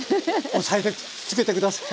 押さえつけて下さい。